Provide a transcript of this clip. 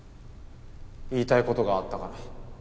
言いたいことがあったから。